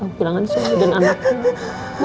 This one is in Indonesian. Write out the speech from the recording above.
kamu bilangkan soal dengan anakmu